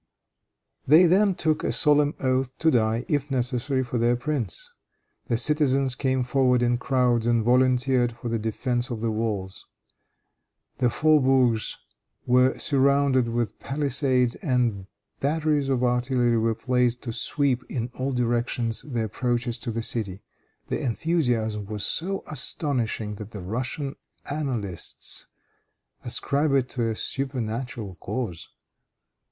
They then took a solemn oath to die, if necessary, for their prince. The citizens came forward in crowds and volunteered for the defense of the walls. The faubourgs were surrounded with pallisades, and batteries of artillery were placed to sweep, in all directions, the approaches to the city. The enthusiasm was so astonishing that the Russian annalists ascribe it to a supernatural cause.